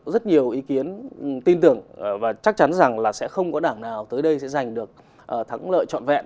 rất nhiều ý kiến tin tưởng và chắc chắn rằng là sẽ không có đảng nào tới đây sẽ giành được thắng lợi trọn vẹn